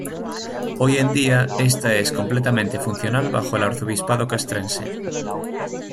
Hoy en día esta es completamente funcional bajo el Arzobispado Castrense.